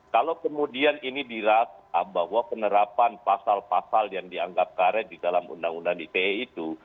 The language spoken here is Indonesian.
kalau kemudian ini dirasa bahwa penerapan pasal pasal yang dianggap karet di dalam undang undang ite itu